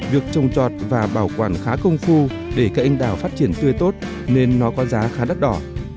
việc trồng trọt và bảo quản khá công phu để cây anh đào phát triển tươi tốt nên nó có giá khá đắt đỏ